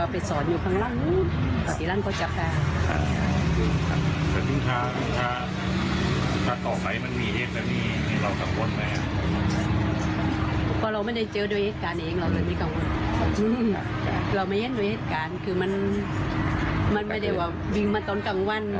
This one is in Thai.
ภังแรกก็นี่มาภังคืนเหมือนกัน